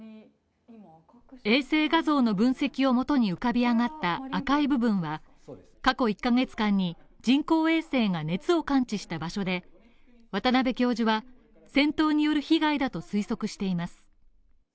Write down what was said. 衛星画像の分析をもとに浮かび上がった赤い部分は過去１カ月間に人工衛星が熱を感知した場所で渡邉教授は戦闘による被害だと推測しています